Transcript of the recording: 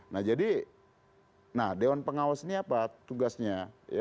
nah jadi nah dewan pengawas ini apa tugasnya